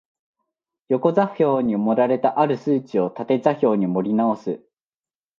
横座標に盛られた或る数値を縦座標に盛り直す